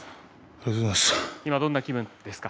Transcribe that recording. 今どんな気分ですか。